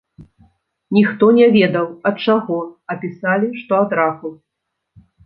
Ніхто не ведаў, ад чаго, а пісалі, што ад раку.